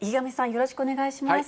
よろしくお願いします。